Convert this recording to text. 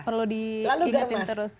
itu perlu diingetin terus